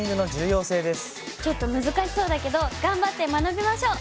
ちょっと難しそうだけど頑張って学びましょう。